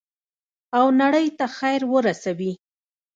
او نړۍ ته خیر ورسوي.